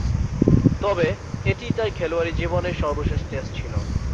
তবে, এটিই তার খেলোয়াড়ী জীবনের সর্বশেষ টেস্ট ছিল।